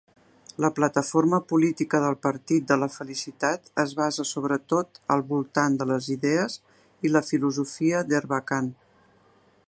La plataforma política del Partit de la Felicitat es basa sobretot al voltant de les idees i la filosofia d'Erbakan.